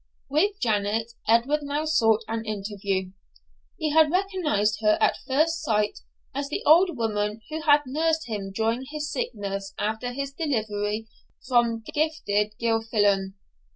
With Janet, Edward now sought an interview. He had recognised her at first sight as the old woman who had nursed him during his sickness after his delivery from Gifted Gilfillan.